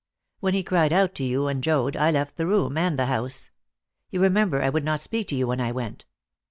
When he cried out to you and Joad, I left the room, and the house. You remember, I would not speak to you when I went.